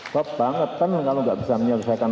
kok bangetan kalau gak bisa menyelesaikan